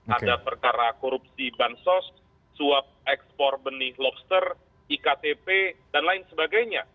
ada perkara korupsi bansos suap ekspor benih lobster iktp dan lain sebagainya